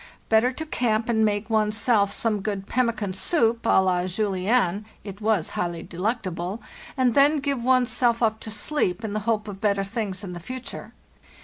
Better to camp and make one's self some good pemmi can soup, @ Za Julienne (it was highly delectable), and then give one's self up to sleep, in the hope of better things in the future.